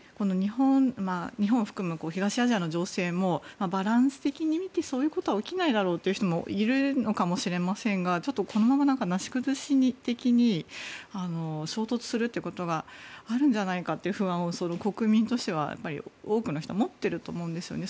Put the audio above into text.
日本を含む東アジアの情勢もバランス的に見てそういうことは起きないだろうということを言う人はいるのかもしれませんがちょっとこのまま、なし崩し的に衝突するということがあるんじゃないかっていう不安を国民としては多くの人は持っていると思うんですよね。